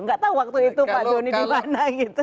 nggak tahu waktu itu pak joni di mana gitu